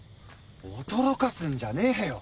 驚かすんじゃねえよ。